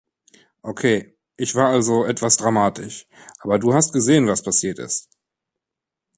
Ok, ich war also etwas dramatisch, aber du hast gesehen, was passiert ist!